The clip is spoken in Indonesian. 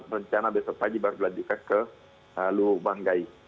rencana besok pagi baru dilanjutkan ke luhu banggai